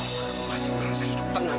apakah kamu masih merasa hidup tenang